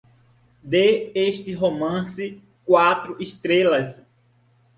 Dê este romance quatro estrelas